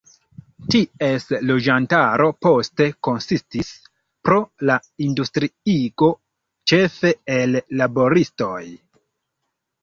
Ties loĝantaro poste konsistis, pro la industriigo, ĉefe el laboristoj.